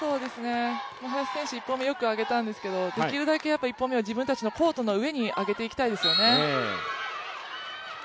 林選手も一歩目、よくあげたんですけどできるだけ１本目は自分のコートの上にあげていきたいですね。